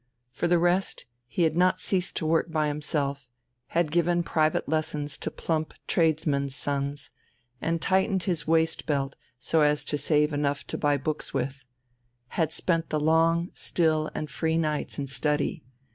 For the rest, he had not ceased to work by himself, had given private lessons to plump tradesmen's sons, and tightened his waist belt so as to save enough to buy books with had spent the long, still, and free nights in study.